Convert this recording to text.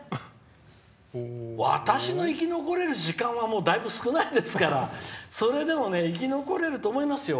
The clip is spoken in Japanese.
私も生き残れる時間はもう、だいぶ、少ないですからそれでも生き残れると思いますよ。